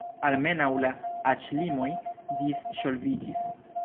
Almenaŭ la aĝlimoj disŝoviĝis.